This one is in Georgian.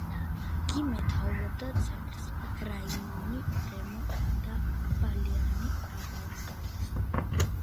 გი მეთაურობდა ცენტრს, რაიმონი, რენო და ბალიანი ავანგარდს.